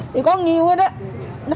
thì có nhiều hết đó